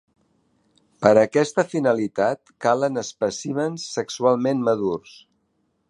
Per a aquesta finalitat calen espècimens sexualment madurs.